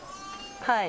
はい。